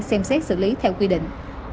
xem xét xử lý theo quy định